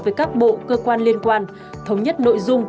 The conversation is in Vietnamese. với các bộ cơ quan liên quan thống nhất nội dung